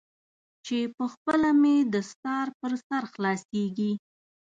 چې پخپله مې دستار پر سر خلاصیږي.